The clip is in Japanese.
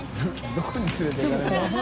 どこに連れて行かれるの？